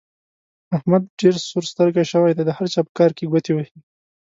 احمد ډېر سور سترګی شوی دی؛ د هر چا په کار کې ګوتې وهي.